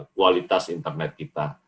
kualitas internet kita